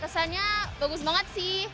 kesannya bagus banget sih